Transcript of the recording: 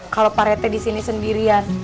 kalau pak rete disini sendirian